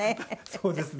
そうですね。